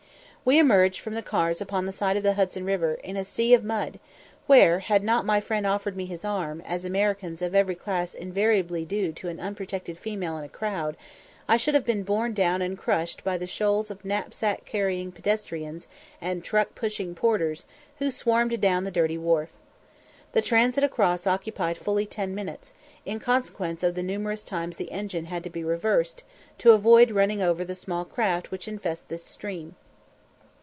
We emerged from the cars upon the side of the Hudson river, in a sea of mud, where, had not my friend offered me his arm, as Americans of every class invariably do to an "unprotected female" in a crowd, I should have been borne down and crushed by the shoals of knapsack carrying pedestrians and truck pushing porters who swarmed down upon the dirty wharf. The transit across occupied fully ten minutes, in consequence of the numerous times the engine had to be reversed, to avoid running over the small craft which infest this stream.